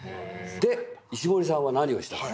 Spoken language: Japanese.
で石森さんは何をしたか。